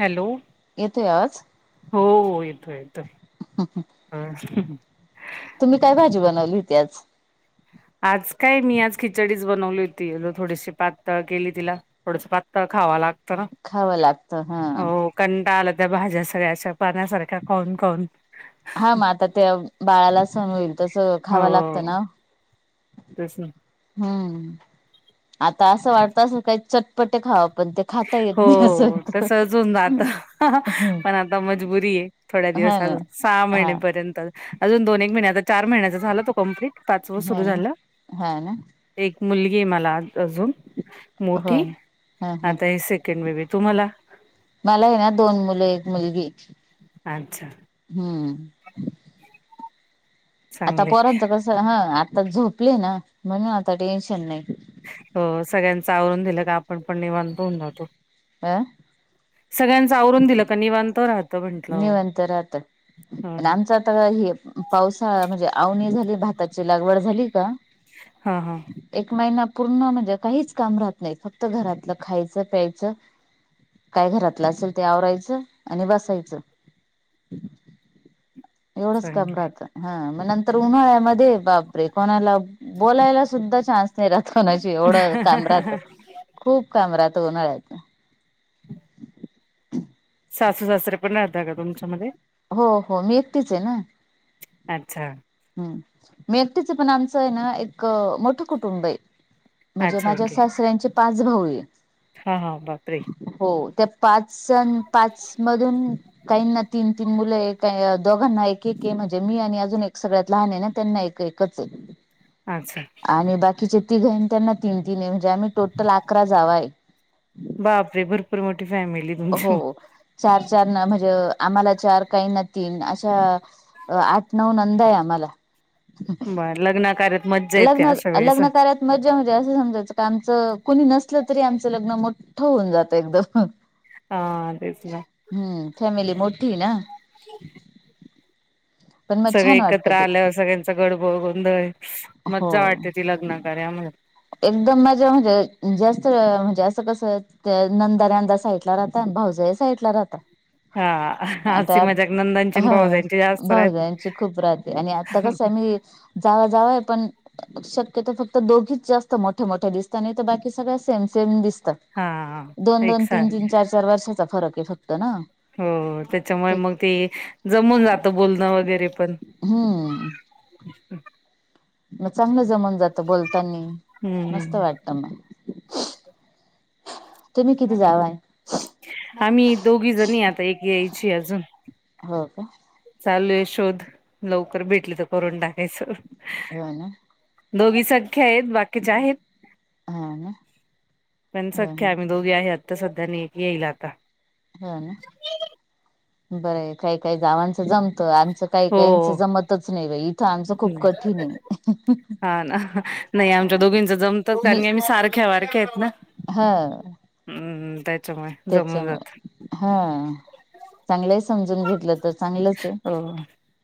Hello. येतोय आवाज? हो येतोय येतोय. [inaudible] होय. तुम्ही काय भाजी बनवली होती आज? आज काय मी आज खिचडीच बनवली होती, थोडीशी पातळ केली तिला थोडस पातळ खाव लागतं न, खावं लागतं हा हो. कंटाळा आला त्या भाज्या सगळ्या अशा पानासारख्या खाऊन खाऊन. हा म आता ते बाळाला सहण होईल. तसं खावं लागतं ना हो, तेच ना. हम्म, आता असं वाटत अस काही चटपटी खाव पण ते खाता हो येत नाही असं तसच हुन जात, पण आता मजबुरी ये. थोड्या हा दिवस ना अजून सहा हा महिनेपर्यंत अजून दोन एक महिने आता चार महिन्याचा झाला तो कंप्लीट पाच व हा सुरू ना झाल. हा ना एक मुलगी ये मला अजून मोठी. हम हम, आता हे सेकंड बेबी तुम्हाला मला ये ना दोन मुलं एक मुलगी. अच्छा. हम्म. आता चांगले पोरांचं कस हं आता झोपले ना म्हणून आता टेन्शन नाही. हो सगळ्यांचं आवरून दिलं का आपण पण निवांत हुन जातो. अ सगळ्यांचं आवरून दिलं का निवांत राहत. निवांत राहत, हो पण आमच आता हे पावसाळा म्हणजे आवणी झाली भाताची लागवड झाली का हां हां. एक महिना पूर्ण म्हणजे काहीच काम राहत नाही, फक्त घरातलं खायचं प्यायचं काय घरातलं असेल ते आवरायचं आणि बसायचं एवढंच काम चांगलय. राहतं. हां म नंतर उन्हाळ्यामध्ये बापरे कोणाला बोलायला सुद्धा चान्स नाही रात कोणाशी, एवढं काम राहत, खूप कामं राहत उन्हाळ्यात. [inaudible] सासू सासरे पण राहता का तुमच्या मध्ये? हो हो मी एकटीच ये ना. अच्छा. हम्, मी एकटीच ये पण आमचं ये ना एक मोठं कुटुंब ये. म्हणजे अच्छा माझ्या सासऱ्यांचे पाच भाऊ ये. हां हां बाप रे. हो, त्या पाच आण पाच मधून काहीना तीन तीन मुल ये, काही दोघांना एक एक ये, म्हणजे मी आणि अजून एक सगळ्यात लहान ये ना त्यांना एक एकच ये. असं. आणि बाकीचे तिघं आहे त्यांना तीन तीन हे म्हणजे आम्ही टोटल अकरा जावा आहे. बापरे! भरपूर मोठी फॅमिली. हो तुमची मग चार चार ना म्हणजे आम्हाला चार काहींना तीन अशा अ आठ नऊ नंदा आहे आम्हाला. बर लग्न कार्यात मज्जा येते लग्न अशा अ वेळेस लग्न कार्यात मजा म्हणजे असं समजायचं का आमचं कुणी नसलं तरी आमचं लग्न मो ठं होऊन जातंय एकदम. हां तेच ना. हम्म फॅमिली मोठी ना. पण मग सगळे छान वाटत एकत्र ते आल्यावर सगळ्यांचं [unintelligible] गोंधळ हे हो. मज्जा वाटते ती लग्न कार्यामध्ये. एकदम मज्जा म्हणजे जास्त म्हणजे असं कसं त्या नंदा [unintelligible] साईडला राहता आणि भाऊजाही साईडला राहता. हा हसी आता मजाक नंदांची आणि हां भावजांची जास्त राहते. भाऊजांची खूप राह त आणि आता कसं [unintelligible] जावा जावा पण शक्यतो फक्त दोघीच जास्त मोठी मोठं दिसतं नाही बाकी सगळ्या सेम सेम दिसतात हा दोन दोन, तीन तीन, एकसारखे चार चार चार वर्षाचा फरक आहे फक्त ना. हो त्याच्यामुळे मग ते जमून जातं आता बोलणं वगैरे पण. हम्म [inaudible] म चांगलं जमून जातं बोलतानी मस्त हम्म वाटतं मग. तुम्ही किती जावा आहे? आम्ही दोघीजणी आता एक यायची अजून. हो का? चालू आहे शोध लवकर भेटली तर करून टाकायचं. होय ना? दोघी सख्या आहेत बाकीच्या आहेत हो ना पण हो ना हो सख्या ना आम्ही दोघी आहे आत्ता सध्या आणि एक येईल आता. हो ना? बरं आहे काही काही जावांचं जमतं आमचं काही हो काहींच जमतच नाही बाई. इथं आमचं खूप कठीण आहे. हां ना. नाही आमच्या दोघींचं जमतं कारण की आम्ही सारख्या वारक्या आहेत ना. हां. हम्म, त्यात त्याच्यामुळं हां चांगलंय समजून घेतलं तर चांगलंच आहे. हो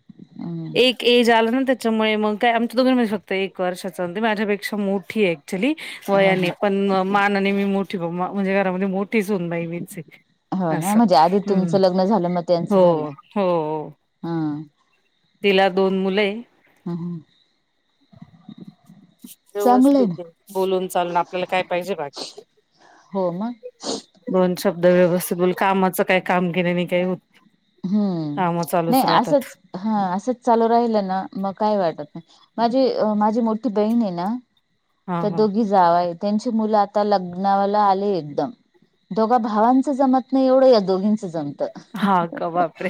[unintelligible] एक एज आला ना त्याच्यामुळे मग काय आमचं [unintelligible] एक वर्षाचं ती माझ्यापेक्षा मोठी आहे ऍक्च्युली. ह होय ह मी पण मानाने मी मोठी बघ म म्हणजे घरामध्ये मोठी सुनबाई मीच हे. हो ना म्हणजे आधी तुमचं लग्न झालं मग त्यांचं झालं? हो, हो हं. तिला दोन मुलं आहे. हं हां. व्यवस्थित आहे, बोलून चालून आपल्याला काय पाहिजे बाकी? हो मग दोन शब्द व्यवस्थित बोलली कामाचं काय काम केलं नाही काही होत. हम्म, काम नाही चालूच राहतात असंच हां असंच चालू राहिलं ना, मग काय वाटत नाही माझी अ माझी मोठी बहीण आहे ना हा, त्या हा, दोघी जावा आहेत त्यांची मुलं आता लग्नाला आली एकदम. दोघा भावांचा एवढं जमत नाही तेवढं दोघींचं जमतं. हो का? बापरे!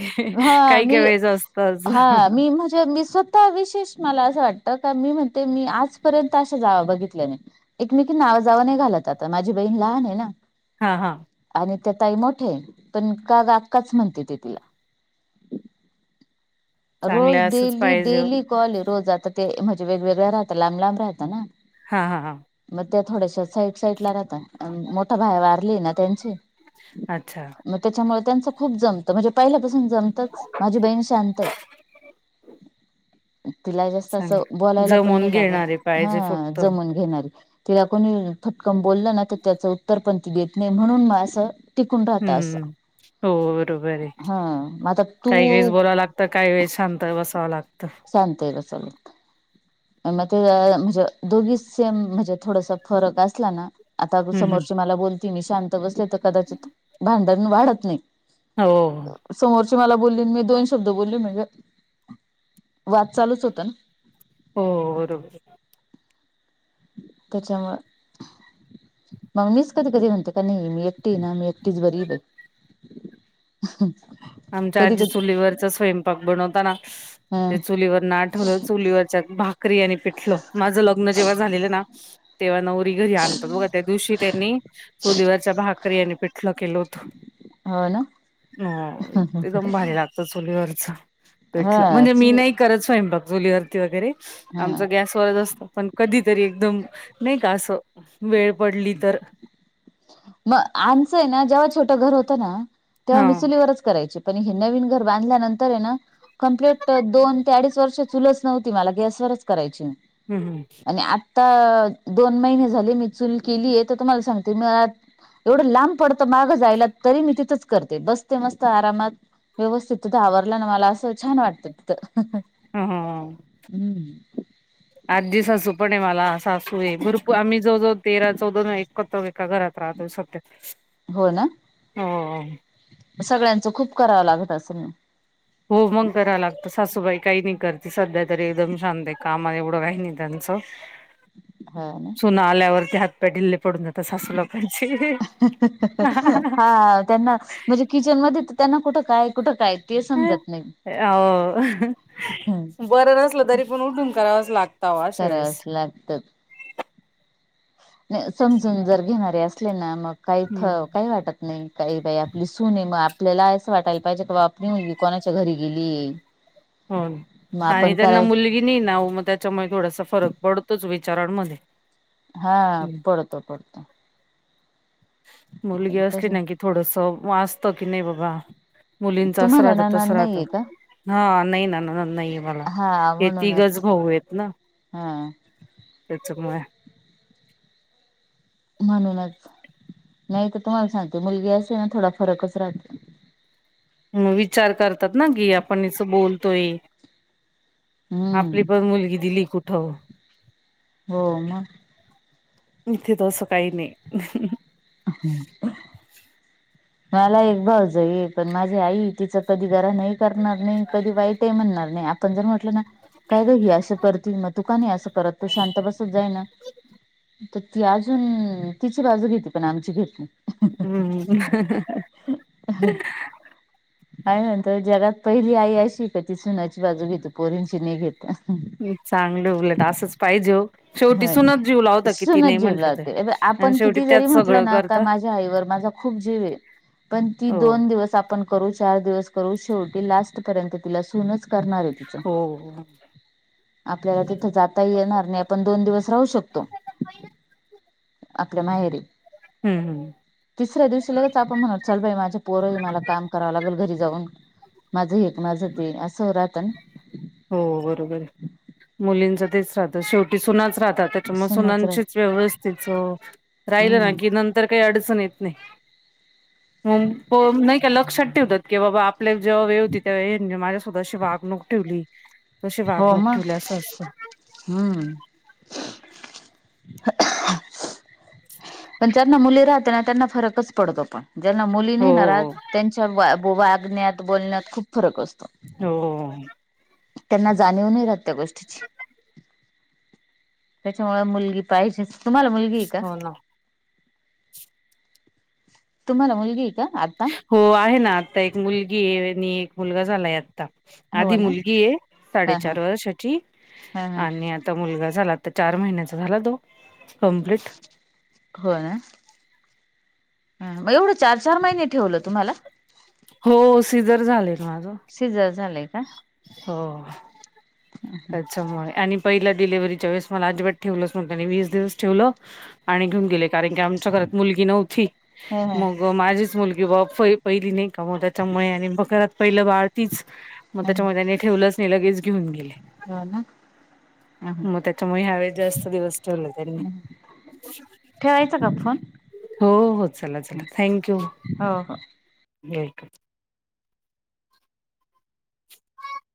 काही काही वेळेचं असतं असं. तीन हजारसत [unintelligible] आता विशेष मला असं वाटत का मी म्हणते मी आजपर्यंत अशा जावा बघितल्या नाही. एकमेकीना आवाजवं नाही घालत आता माझी बहीण लहान आहे ना. हां हां. आणि त्या ताई मोठे आहे. पण काका आक्काच म्हणते तिथे. रोज चांगल्या असंच डेली, पाहिजे हो डेली. [unintelligible] ली रोज आता ते म्हणजे वेगवेगळ्या राहत लांब, लांब राहत ना. हां हां हां. मग त्या थोड्याश्या साईड, साईडला राहत मोठा भाया वारली ना त्यांची. अच्छा! मग त्याच्यामुळे त्यांच खूप जमतं. म्हणजे पहिल्यापासूनच जमतच माझी बहीण शांत आहे. तिला जास्त असं चांग बोलायला पण जमवून नाही लागत घेणारे हा पाहिजे फक्त जमून घेणारी. तिला कोणी फटकम बोललं ना तर त्याचं उत्तर पण ती देत नाही म्हणून म असं. टिकून राहत असं. हम्म हो बरोबर आहे. हा मग आता काही वेळेस तू बोलावं लागतं काही वेळेस शांत बसावं लागतं. शांतरा सल [unintelligible] मग ते म्हणजे दोघीच सेम म्हणजे थोडासा फरक असला ना. आता हम्म हम्म समोरचे मला बोलती मी शांत बसले तर कदाचित भांडण वाढत नाही. हो. समोरची मला बोलली मी दोन शब्द बोलली म्हणजे वाद चालूच होता ना. हो बरोबर. त्याच्यामुळे. मग मीच कधी कधी म्हणते का नाही मी एकटी ना मी एकटीच बरी बई. आमच्या कधी आजी कधी चुलीवरचा स्वयंपाक बनवताना- हा ते चुलीवरन आठवलं चुलीवरच्या भाकरी आणि पिटलं माझं लग्न जेव्हा झालेलं ना तेव्हा नवरी घरी आणतात बघा त्या दिवशी त्यांनी- चुलीवरच्या भाकरी आणि पिठलं केलं होत हो. हो ना एकदम भारी लागत चुलीवरच हा पिंठलं म्हणजे मी चुली नाही करत स्वयंपाक चुलीवर हा आमचं गॅसवरच असत पण कधीतरी एकदम नाही का असं वेळ पडली तर- मग आमचंय ना जेव्हा छोटं घर होतं ना तेव्हा हा मी चुलीवरच करायचे. पण हे नवीन घर बांधल्यानंतर आहे ना. कंप्लीट दोन ते अडीच वर्ष चुलच नव्हती मला गॅसवरच करायची. हम् हम्. आणि आता दोन महिने झाले मी चूल केली आहे तर तुम्हाला सांगते मी एवढं लांब पडतं मागं जायला तरी मी तिथंच करते बसते मस्त! आरामात. व्यवस्थित तिथं आवरलं ना मला असं वाटतं तिथं ह ह हम्. आजी सासू पण आहे मला सासू आहे. भरू आम्ही जव जवळ तेरा चौदा एका घरात राहतो सध्या हो ना हो. सगळ्यांचं खूप करावं लागत असं म. हो मग कराव लागतं सासूबाई काही नाही करत. सध्या तरी एकदम शांत आहे काम एवढंहि नाही त्यांचं. ह [unintelligible] हं.... सुनाआल्यावरती हात- पाय ठिले पडून जात. हह हह हा त्यांना... म्हणजे किचनमध्येच त्यांना कुठं काय कुठं काय ते समजत नाही. हो हम्म हह बरं नसलं तरी पण उठून करावंच लागत. करावच लागतं. समजून जर घेणारे असले ना मग काहीच हम्म काही वाटत. नाही काही बाई आपली सूनये. मग आपल्याला असं वाटायला पाहिजे की बा आपली मुली कोणाच्या घरी गेलीये. हं आणि ज्यांना मुलगी नाही नाओ मग त्याच्यामुळे थोडासा फरक पडतोच विचारांमध्ये. हा पडतो पडतो. मुलगी पण असली कस ना की थोडस वाजत असतं की नाही बाबा मुलींच अस तुम्हाला रात्यात नणंद नाहीये का? तसरात्यात हा नाही ना ननंद नाये. सांगना हा हे म्हणूनच तिघच भाऊे आहेत ना... हा त्याच्या मुळे म्हणूनच नाही तर तुम्हाला सांगते मुलगी असते ना थोडा फरकच राहतो. विचार करतात ना की आपण कस बोलतोय. आपली हम्म पण मुलगी दिली कुठं हो मग.. इथे तसं काही नाही.. हम् [unintelligible] मला एक भाऊजये पण माझी आई तिच कधी घरा नाही. करणार नाही. कधी वाईट म्हणणार नाही. आपण जर म्हटलं ना तर, काय ग हे अस करतीन मग तु का नाय असं करत तू शांत बसत जाईना तर ती अजून तिची बाजू घेती. पण आमची घेत. ह हं हम्म ह ह काय आहे ना जगात पहिली आई अशी की ती सुनची बाजू घेते पोरीनशी नाही घेत. चांगलं उलट असंच. पाहिजे...... शेवटी ह सुूनच जीव लावता की ती सुनच नाही जीव म्हटलं तरी लावते आणि आपण शेवटी किती जरी त्याच म्हटलं सगळं ना करत्यात. माझ्या आईवर माझा खूप जीव आहे पण ती हो दोन दिवस आपण करू चार दिवस करू शेवटी लास्ट पर्यंत तिला सुनच. करणारये तिथ हो हम्म आपल्याला तिथ जाता येणार नाय. आपण दोन दिवस राहू शकतो. आपल्या माहेरी. हम् हम् तिसऱ्या दिवशी लगेच आपण म्हणालोय चल बाई माझी पोर हायत मला काम करावं लागेल घरी जाऊन. माझं हे माझं ते असं होऊन राहताना हो बरोबर मुलींच तेच राहतं शेवटी सुनाच राहतात तेच मग सुनच राह सुनांशी व्यवस्थित राहिलं ना हम्म की नंतर तर काही अडचण येत नाही नाही का लक्षात ठेवत की बाबा आपण. आपल्या जेव्हा वेळ होती त्यावेळी माझ्या सुद्धा अशी वागणूक ठेवली. कशी हो वागणूक मग ठेवली असं असतं हम्म खो.. पण ज्यांना मुली राहतात त्यांना फरकच पडतो पण.. ज्यांना मुली हो नाही ना रहात त्यांच्या वागण्यात, बोलण्यात खूप फरक असतो. हो हो हो हम. त्यांना जाणीव नाही राहत त्या गोष्टीची, त्याच्यामुळे मुलगी पाहिजेच. तुम्हाला मुलगी ये का? हो ना तुम्हाला मुलगी ये का आता? हो आहे ना आता एक मुलगी ये, आणि एक मुलगा झालाय आता. हो आधी ना मुलगी ये हा हा साडेचार वर्षाची, हा हा आणि आ ता मुलगा झाला आता चार महिन्याचा झाला तो कंप्लीट. होय? म एवढं चार चार महिने ठेवलं तुम्हाला? हो सिझर झालेल माझं. सिजर झालय का? हो. त्याच्यामुळे, आणि पहिल्या डिलिव्हरीच्या वेळेस मला अजिबात ठेवलंच नव्हतं आणि वीस दिवस ठेवलं आणि घेऊन गेले, कारण की आमच्या घरात मुलगी नव्हती हो हो. मग व माझीच मुलगी पहिली नाही का? त्यामुळे घरात पहिलं बाळ तीच, म त्याच्या मुळे त्यानी ठेवलंच नाही लगेच घेऊन गेले. हो ना. म त्याच्यामुळे ह्या वेळेस जास्त दिवस ठेवल त्यांनी. ठेवायचा का फोन हो हो चला चला थँक्यू. हो हो. [unintelligible] [inaudible]